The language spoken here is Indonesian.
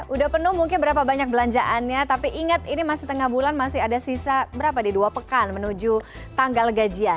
udah penuh mungkin berapa banyak belanjaannya tapi ingat ini masih tengah bulan masih ada sisa berapa di dua pekan menuju tanggal gajian